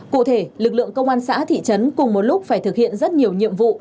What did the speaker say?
cụ thể lực lượng công an xã thị trấn cùng một lúc phải thực hiện rất nhiều nhiệm vụ